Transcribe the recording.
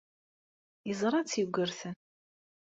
Yeẓra-tt Yugurten.